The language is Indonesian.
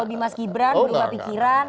untuk melobi mas gibran melibat pikiran